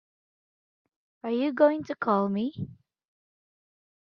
Are you going to call me?